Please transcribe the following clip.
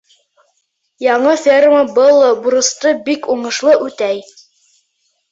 Яңы ферма был бурысты бик уңышлы үтәй.